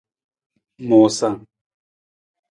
Moosang.